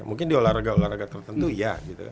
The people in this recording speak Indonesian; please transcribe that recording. mungkin di olahraga olahraga tertentu ya